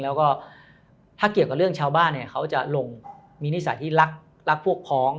แล้วก็ถ้าเกี่ยวกับเรื่องชาวบ้านเนี่ยเขาจะลงมีนิสัยที่รักพวกพ้อง